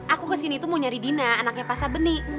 aku kesini tuh mau nyari dina anaknya pak sabeni